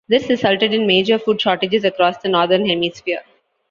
This resulted in major food shortages across the Northern Hemisphere.